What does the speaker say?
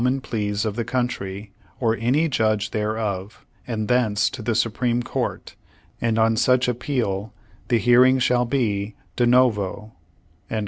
on Pleas of the County, or any judge thereof, and thence to the Supreme Court; and on such appeal the hearing shall be de 7iovo."'